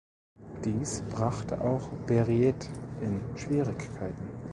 Dies brachte auch Berliet in Schwierigkeiten.